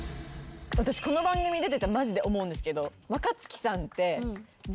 私この番組出ててマジで思うんですけど若槻さんって。